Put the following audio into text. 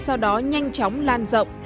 sau đó nhanh chóng lan rộng